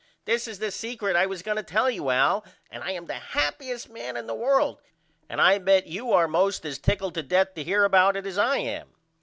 This is the secret I was going to tell you Al and I am the happyest man in the world and I bet you are most as tickled to death to hear about it as I am.